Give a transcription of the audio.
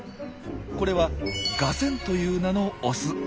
これはガセンという名のオス。